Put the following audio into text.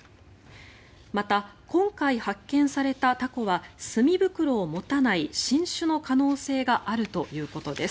また、今回発見されたタコは墨袋を持たない新種の可能性があるということです。